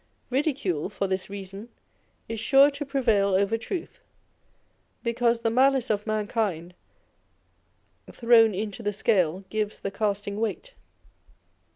Ridicule, for this reason, is sure to pre vail over truth, because the malice of mankind thrown into the scale gives the casting weight.